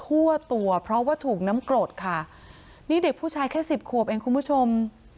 ทั่วตัวเพราะว่าถูกน้ำกรดค่ะนี่เด็กผู้ชายแค่สิบขวบเองคุณผู้ชม